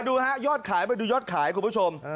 ดูฮะยอดขายมาดูยอดขายคุณผู้ชม